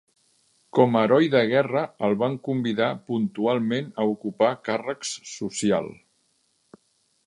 Com a heroi de guerra, el van convidar puntualment a ocupar càrrecs social.